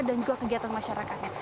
dan juga kegiatan masyarakatnya